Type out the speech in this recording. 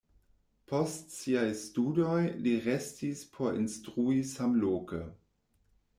Post siaj studoj li restis por instrui samloke.